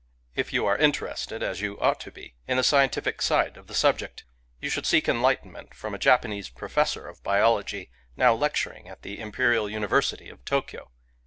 If you are interested, as you ought to be, in the scientific side of the subject, you should seek enlightenment from a Japanese professor of biology, now lecturing at the Imperial University of Tokyo.